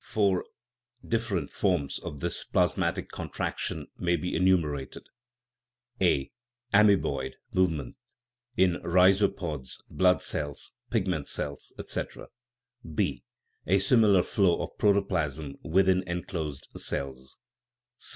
Four different forms of this plasmatic contraction may be enumerated : (a) Amoeboid movement (in rhizopods, blood cells, pigment cells, etc.). (6) A similar flow of protoplasm within enclosed cells.